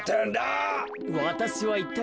わたしはいったいなにを？